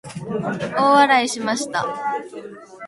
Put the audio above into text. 大笑いしました。